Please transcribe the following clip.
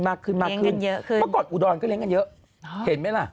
เมื่อก่อนอุดรก็เลี้ยงกันเยอะเห็นไหมล่ะ